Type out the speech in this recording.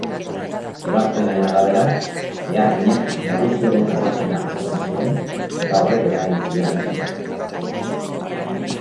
Ebazpenaren arabera, beharginak nagusiaren jazarpena jasaten zuen eta horrek eragin zion antsietatea.